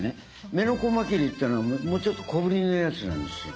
メノコマキリってのはもうちょっと小ぶりのやつなんですよ。